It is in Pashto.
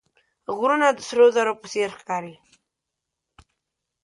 غرونه د سرو زرو په څېر ښکاري